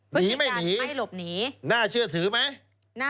หนีไม่หนีน่าเชื่อถือไหมคุณวิธีการไม่หลบหนี